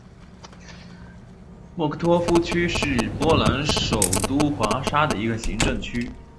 莫科托夫区是波兰首都华沙的一个行政区。